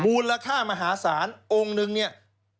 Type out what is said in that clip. มูลค่ามหาศาลองค์นึงเนี่ย